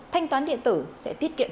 thanh toán điện tử sẽ tiết kiệm